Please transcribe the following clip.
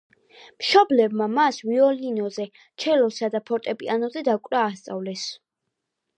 მშობლებმა მას ვიოლინოზე, ჩელოსა და ფორტეპიანოზე დაკვრა ასწავლეს.